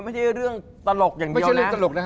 ไม่ใช่เรื่องตลกนะฮะ